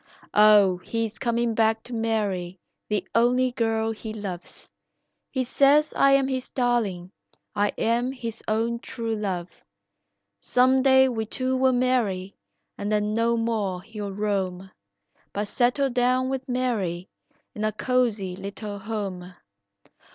Oh, he is coming back to marry the only girl he loves, He says I am his darling, I am his own true love; Some day we two will marry and then no more he'll roam, But settle down with Mary in a cozy little home.